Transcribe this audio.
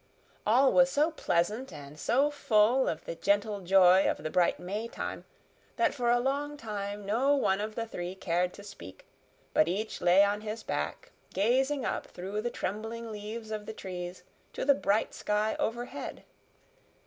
All was so pleasant and so full of the gentle joy of the bright Maytime, that for a long time no one of the three cared to speak, but each lay on his back, gazing up through the trembling leaves of the trees to the bright sky overhead.